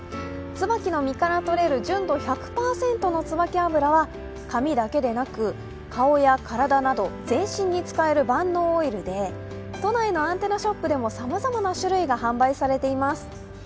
つばきの実からとれる純度１００％のつばき油は髪だけでなく顔や体など全身に使える万能オイルで、都内のアンテナショップでもさまざまな種類が販売されています。